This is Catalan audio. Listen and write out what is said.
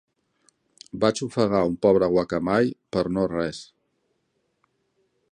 Vaig ofegar un pobre guacamai per no res.